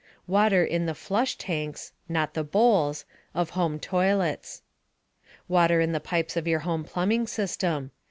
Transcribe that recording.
Water in the flush tanks (not the bowls) of home toilets. Water in the pipes of your home plumbing system.